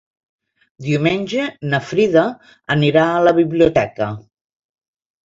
Diumenge na Frida anirà a la biblioteca.